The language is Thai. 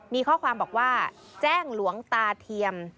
มีข้อความบอกว่าแจ้งหลวงตาเทียม